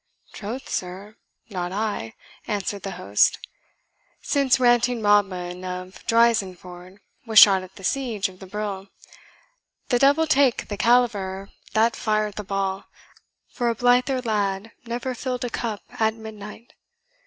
"Troth, sir, not I," answered the host, "since ranting Robin of Drysandford was shot at the siege of the Brill. The devil take the caliver that fired the ball, for a blither lad never filled a cup at midnight!